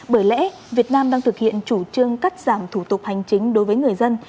bởi lẽ việt nam đang thực hiện chủ trương cắt giảm thủ tục hành chính đối với người dân